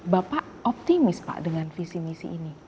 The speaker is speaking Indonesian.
bapak optimis pak dengan visi misi ini